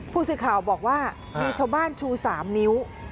ผู้สื่อข่าวบอกว่ามีชาวบ้านชู๓นิ้ว